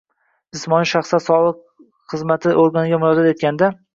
Jismoniy shaxslar soliq xizmati organiga murojaat etganda